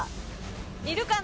いるかな？